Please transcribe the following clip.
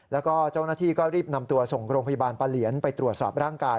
แล้วก็เจ้าหน้าที่ก็รีบนำตัวส่งโรงพยาบาลปะเหลียนไปตรวจสอบร่างกาย